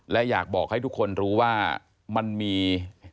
และอยากบอกให้ทุกคนรู้ว่ามันมี